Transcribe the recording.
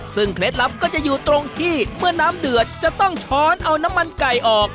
ซึ่งเคล็ดลับก็จะอยู่ตรงที่เมื่อน้ำเดือดจะต้องช้อนเอาน้ำมันไก่ออก